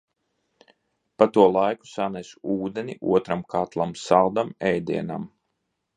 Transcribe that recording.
Pa to laiku sanesu ūdeni otram katlam, saldam ēdienam.